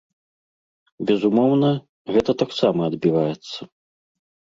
Безумоўна, гэта таксама адбіваецца.